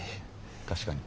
確かに。